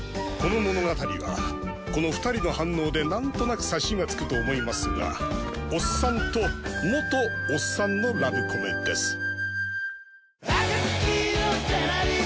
この物語はこの２人の反応でなんとなく察しがつくと思いますがおっさんと元おっさんのラブコメです